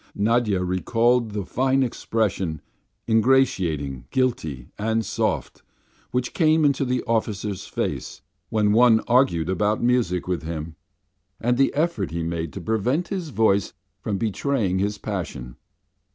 Nadya recalled the fine expression, ingratiating, guilty, and soft, which came into the officer's face when one argued about music with him, and the effort he made to prevent his voice from betraying his passion.